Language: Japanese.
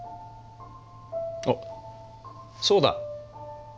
おっそうだ！